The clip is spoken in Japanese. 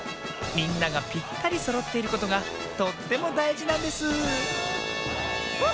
みんながぴったりそろっていることがとってもだいじなんですあ！